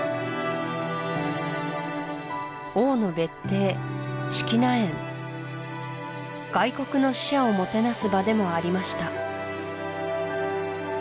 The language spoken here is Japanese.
王の別邸識名園外国の使者をもてなす場でもありました